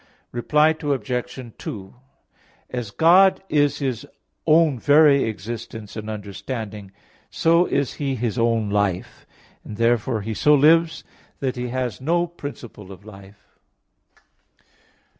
Reply Obj. 2: As God is His own very existence and understanding, so is He His own life; and therefore He so lives that He has no principle of life.